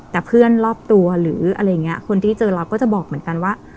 แต่เพื่อนรอบตัวหรืออะไรอย่างนี้คนที่เจอเราก็จะบอกเหมือนกันว่า